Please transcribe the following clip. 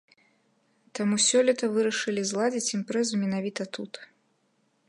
Таму сёлета вырашылі зладзіць імпрэзу менавіта тут.